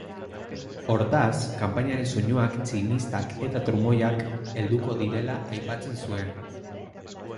Hortaz, kanpaiaren soinuak tximistak eta trumoiak helduko zirela aipatzen zuen.